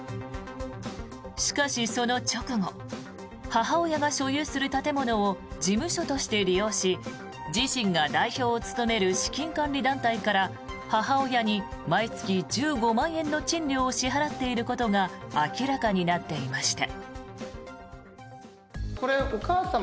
しかし、その直後母親が所有する建物を事務所として利用し自身が代表を務める資金管理団体から母親に毎月１５万円の賃料を支払っていることが明らかになっていました。